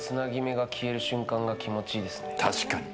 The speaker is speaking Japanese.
確かに。